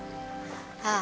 ああ。